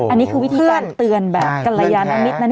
อันนี้คือวิธีการเตือนแบบกันระยะนามิต